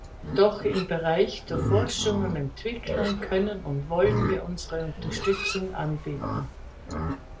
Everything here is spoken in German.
Doch im Bereich der Forschung und Entwicklung können und wollen wir unsere Unterstützung anbieten.